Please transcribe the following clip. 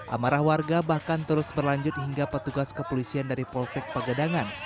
amarah warga bahkan terus berlanjut hingga petugas kepolisian dari polsek pegadangan